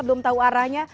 belum tahu arahnya